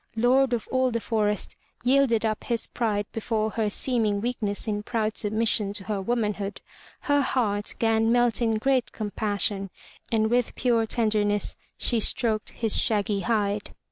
Lord of all the forest, yielded up his pride before her seeming weakness in proud submission to her woman 29 MY BOOK HOUSE hood, her heart gan melt in great compassion, and with pure tenderness she stroked his shaggy hide.